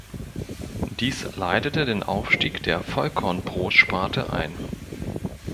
Dies leitete den Aufstieg der Vollkornbrot-Sparte ein.